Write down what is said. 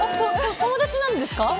友達なんです。